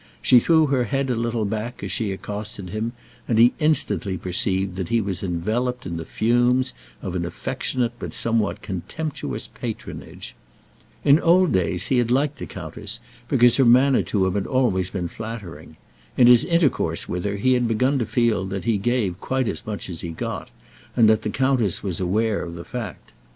She threw her head a little back as she accosted him, and he instantly perceived that he was enveloped in the fumes of an affectionate but somewhat contemptuous patronage. In old days he had liked the countess, because her manner to him had always been flattering. In his intercourse with her he had been able to feel that he gave quite as much as he got, and that the countess was aware of the fact.